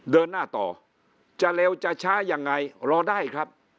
เดินหน้าต่อจะเร็วจะช้ายังไงรอได้ครับ